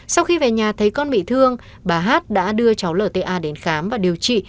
sau khi về nhà thấy con bị thương bà hát đã đưa cháu lta đến khám và điều trị